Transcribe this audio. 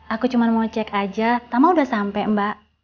aku cuma mau cek aja tama udah sampai mbak